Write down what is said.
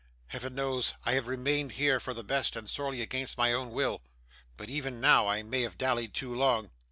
'Heaven knows I have remained here for the best, and sorely against my own will; but even now I may have dallied too long.